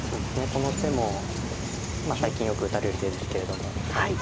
この手も最近よく打たれる手ですけれども。